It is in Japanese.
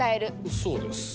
そうです。